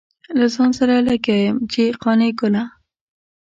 له ځان سره لګيا يم چې قانع ګله.